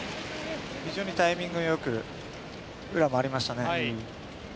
非常にタイミング良く裏、回りましたね。